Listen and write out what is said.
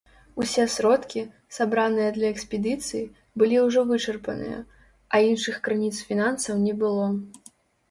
Усе сродкі, сабраныя для экспедыцыі, былі ўжо вычарпаныя, а іншых крыніц фінансаў не было.